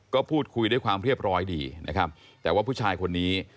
ก็พูดคุยด้วยความเรียบร้อยดีนะครับแต่ว่าผู้ชายคนนี้